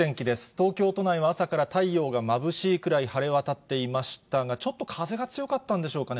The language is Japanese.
東京都内は朝から太陽がまぶしいくらい晴れ渡っていましたが、ちょっと風が強かったんでしょうかね。